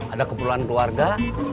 ada keperluan keluarga